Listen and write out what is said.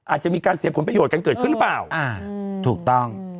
อาจจะมีการเสียผลประโยชน์กันเกิดขึ้นหรือเปล่าถูกต้อง